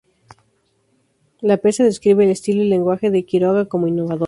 Lapesa describe el estilo y lenguaje de Quiroga como innovador.